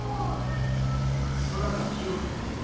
空が広く見えて。